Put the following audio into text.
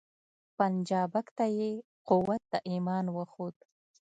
پنجابک ته یې قوت د ایمان وښود